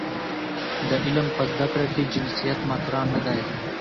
د علم په زده کړه کې جنسیت مطرح نه دی.